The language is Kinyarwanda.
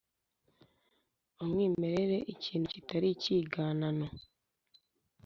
umwimerere: ikintu kitari ikiganano.